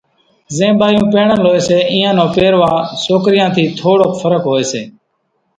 زين ٻايوُن پيڻل هوئيَ سي اينيان نو پيرواۿ سوڪريان ٿِي ٿوڙوڪ ڦرق هوئيَ سي۔